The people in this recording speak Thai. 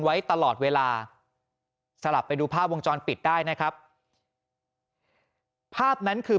ไว้ตลอดเวลาสลับไปดูภาพวงจรปิดได้นะครับภาพนั้นคือ